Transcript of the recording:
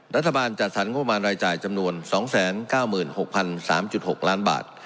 รัฐบาลจัดสรรงบประมาณรายจ่ายจำนวน๒๙๖๓๖ล้านบาท